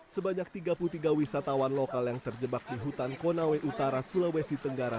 sebanyak tiga puluh tiga wisatawan lokal yang terjebak di hutan konawe utara sulawesi tenggara